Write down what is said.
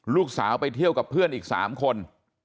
ลูกสาวไปเที่ยวกับเพื่อนอีก๓คน